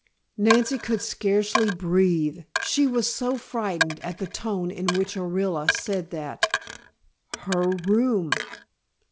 Nancy could scarcely breathe, she was so frightened at the tone in which Orilla said that. Her room!